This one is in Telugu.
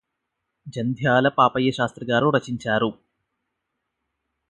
జంధ్యాల పాపయ్యశాస్త్రిగారు రచించారు